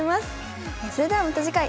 それではまた次回。